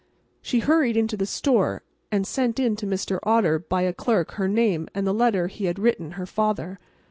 She hurried into the store and sent in to Mr. Otter by a clerk her name and the letter he had written her father.